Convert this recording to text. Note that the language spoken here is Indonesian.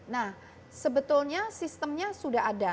nah sebetulnya sistemnya sudah ada